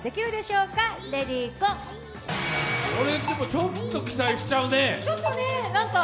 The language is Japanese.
ちょっと期待しちゃうね。